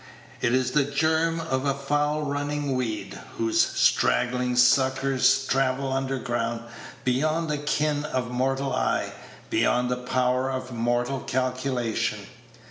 It is the germ of a foul running weed, whose straggling suckers travel underground, beyond the ken of mortal eye, beyond the power of mortal calculation.